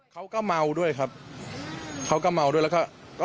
เขาก็เมาด้วยครับเขาก็เมาด้วยแล้วก็ก็